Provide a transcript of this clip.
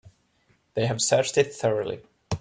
They have searched it thoroughly.